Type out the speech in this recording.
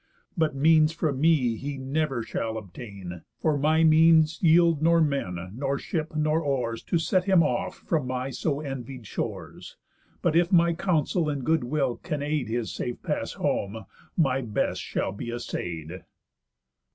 But means from me he never shall obtain, For my means yield nor men, nor ship, nor oars, To set him off from my so envied shores. But if my counsel and good will can aid His safe pass home, my best shall be assay'd."